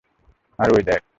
আরে, ঐ দেখ!